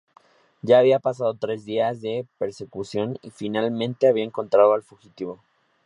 Ya habían pasado tres días de persecución y finalmente había encontrado al fugitivo.